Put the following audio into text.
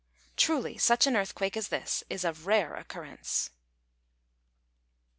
Truly such an earthquake as this is of rare occurrence.